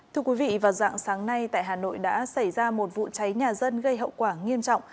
thưa quý vị vào dạng sáng nay tại hà nội đã xảy ra một vụ cháy nhà dân gây hậu quả nghiêm trọng